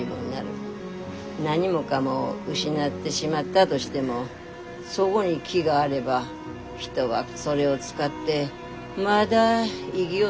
何もかも失ってしまったどしてもそごに木があれば人はそれを使ってまだ生ぎようどするよ。